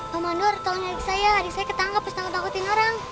paman nur tolongin adik saya adik saya ketangkap bisa nangkut nangkutin orang